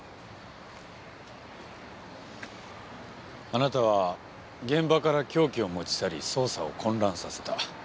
あなたは現場から凶器を持ち去り捜査を混乱させた。